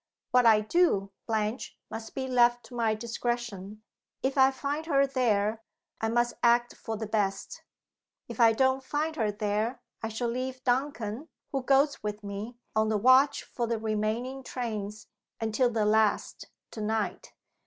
"What I do, Blanche, must be left to my discretion. If I find her there, I must act for the best. If I don't find her there, I shall leave Duncan (who goes with me) on the watch for the remaining trains, until the last to night.